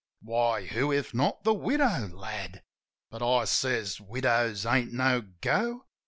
"Why, who, if not the widow, lad?" But I says, "Widows ain't no go."